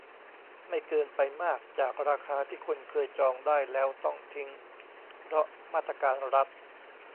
ไม่เกินไปมากจากราคาที่คนเคยจองได้แล้วต้องทิ้งเพราะมาตรการรัฐ